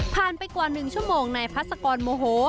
ผ่านไปกว่าหนึ่งชั่วโมงในพระศักรณ์โมโฮ